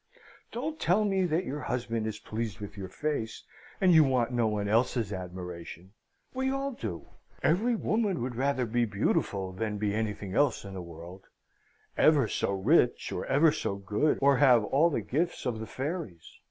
"Don't tell me that your husband is pleased with your face, and you want no one else's admiration! We all do. Every woman would rather be beautiful than be anything else in the world ever so rich, or ever so good, or have all the gifts of the fairies!